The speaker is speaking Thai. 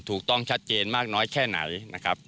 ถูกต้องชัดเจนมากน้อยแค่ไหนนะครับ